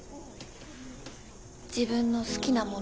自分の好きなもの。